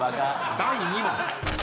［第２問］